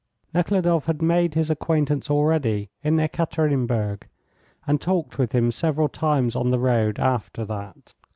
Nekhludoff had made his acquaintance already in Ekaterinburg, and talked with him several times on the road after that.